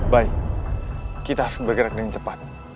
baik kita harus bergerak dengan cepat